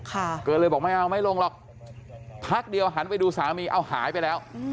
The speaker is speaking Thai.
ก็เลยบอกไม่เอาไม่ลงหรอกพักเดียวหันไปดูสามีเอาหายไปแล้ว